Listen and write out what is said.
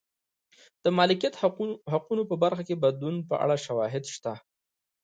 د مالکیت حقونو په برخه کې بدلون په اړه شواهد شته.